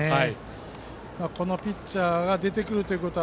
このピッチャーが出てくるということは